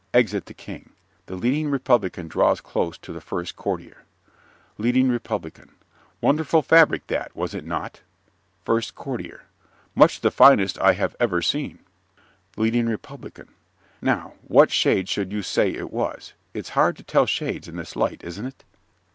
(Exit the King. The Leading Republican draws close to the first Courtier.) LEADING REPUBLICAN Wonderful fabric that, was it not? FIRST COURTIER Much the finest I have ever seen. LEADING REPUBLICAN Now, what shade should you say it was? It's hard to tell shades in this light, isn't it?